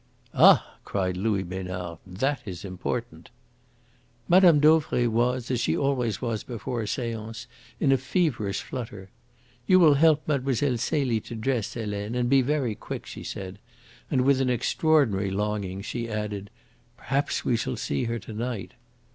"Ah!" cried Louis Besnard. "That is important." "Mme. Dauvray was, as she always was before a seance, in a feverish flutter. 'You will help Mlle. Celie to dress, Helene, and be very quick,' she said; and with an extraordinary longing she added, 'Perhaps we shall see her to night.'